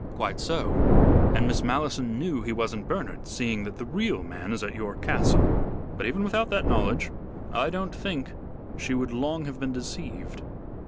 "Quite so. And Miss Malleson knew he wasn't Bernard, seeing that the real man is at your castle. But even without that knowledge I don't think she would long have been deceived.